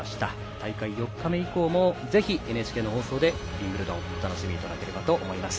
大会４日目以降もぜひ、ＮＨＫの放送でウィンブルドンお楽しみいただければと思います。